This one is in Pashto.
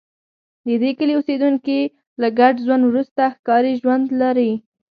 د دې کلي اوسېدونکي له ګډ ژوند وروسته ښکاري ژوند درلود